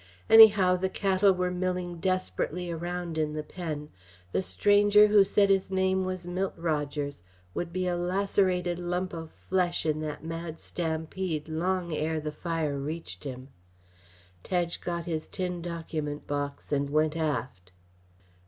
Anyhow, the cattle were milling desperately around in the pen; the stranger who said his name was Milt Rogers would be a lacerated lump of flesh in that mad stampede long ere the fire reached him. Tedge got his tin document box and went aft.